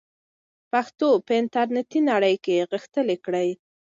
پښتو په انټرنیټي نړۍ کې غښتلې کړئ.